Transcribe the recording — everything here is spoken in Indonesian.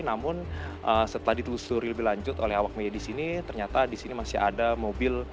namun setelah ditelusuri lebih lanjut oleh awak media di sini ternyata di sini masih ada mobil